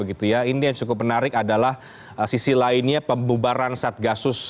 ini yang cukup menarik adalah sisi lainnya pembubaran satgasus